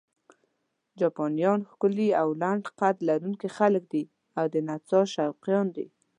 جاپانیان ښکلي او لنډ قد لرونکي خلک دي او د نڅا شوقیان دي.